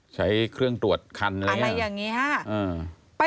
ใช้เครื่องตรวจคันอะไรอย่างนี้ค่ะ